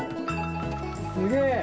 すげえ！